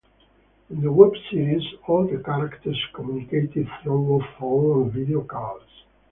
In the web series all the characters communicated through phone and video calls.